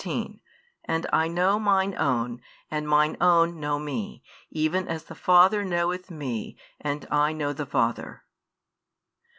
15 And I know Mine own, and Mine own know Me, even as the Father knoweth Me, and I know the Father.